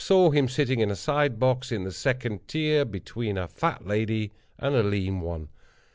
Saw him sitting in a side box, in the second tier, between a fat lady and a lean one.